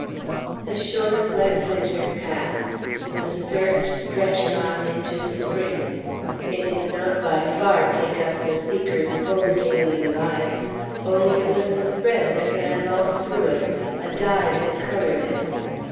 The short, wet winter passed. The search stretched on into the spring. It did not, by far, take up the seeker's whole daily life. Only it was a thread that ran all through it, a dye that colored it.